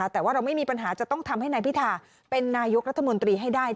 แต่ว่าเราไม่มีปัญหาจะต้องทำให้นายพิธาเป็นนายกรัฐมนตรีให้ได้